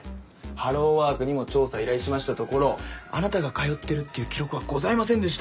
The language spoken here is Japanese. ハローワークにも調査依頼しましたところあなたが通ってるっていう記録はございませんでした！